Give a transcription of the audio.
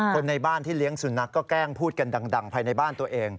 คนในบ้านที่เลี้ยงสุนัขก็แกล้งพูดกันดังภายในบ้านตัวเอง